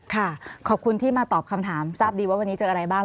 ขอบคุณที่มาตอบคำถามทราบดีว่าวันนี้เจออะไรบ้าง